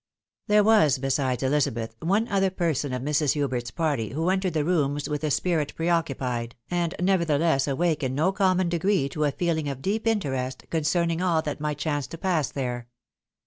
There was, besides Elizabeth, one other person of Mrs. Hubert's party who entered the rooms with a spirit pre occupied, and nevertheless awake in no common degree to a feeling of deep interest, concerning all that might chance to pass there.